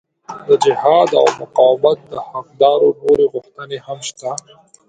د جهاد او مقاومت د حقدارو نورې غوښتنې هم شته.